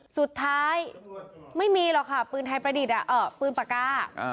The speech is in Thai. สุดท้ายไม่มีหรอกค่ะปืนไทยประดิษฐ์ปืนปากกา